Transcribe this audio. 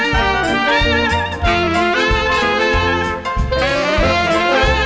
สวัสดีครับ